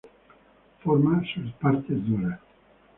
Forma sus partes duras.